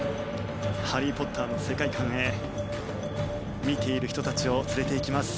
「ハリー・ポッター」の世界観へ見ている人たちを連れていきます。